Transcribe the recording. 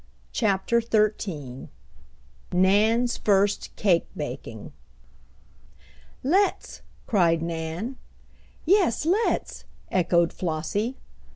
CHAPTER XIII NAN'S FIRST CAKE BAKING "Let's!" cried Nan. "Yes, let's!" echoed Flossie.